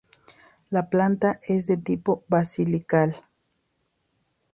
La planta es de tipo basilical.